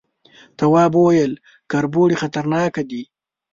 تواب وويل، کربوړي خطرناکه دي.